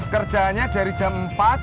kerjanya dari jam empat